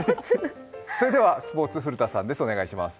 それではスポーツ、古田さんです。